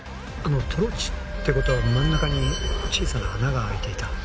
トローチってことは真ん中に小さな穴が開いていた？